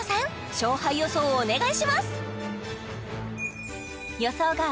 勝敗予想をお願いします！